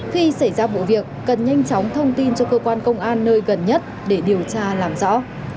khi xảy ra vụ việc cần nhanh chóng thông tin cho cơ quan công an nơi gần nhất để điều tra làm rõ